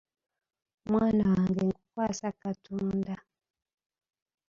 Mwana wange nkukwasa Katonda.